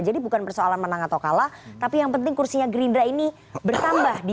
jadi bukan persoalan menang atau kalah tapi yang penting kursinya gerindra ini bertambah di dua ribu dua puluh empat